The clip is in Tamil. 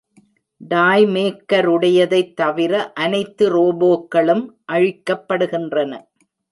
டாய்மேக்கருடையதைத் தவிர அனைத்து ரோபோக்களும் அழிக்கப்படுகின்றன.